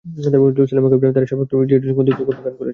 Selena Gomez তাঁর সাবেক প্রেমিক জেডের সঙ্গে দ্বৈত কণ্ঠে গান করেছেন।